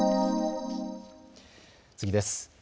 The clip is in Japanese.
次です。